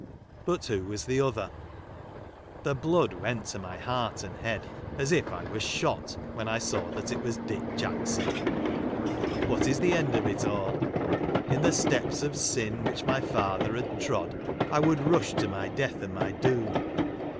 But who was the other ? The blood went to my heart and head, as if I were shot, when I saw that it was Dick Jackson. Was this the end of it all 1 In the steps of sin which my father had trode, I would rush to my death and my doom.